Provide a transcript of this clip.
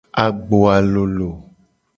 Agboa lolo.